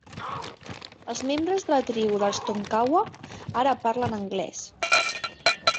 Els membres de la tribu dels Tonkawa ara parlen anglès.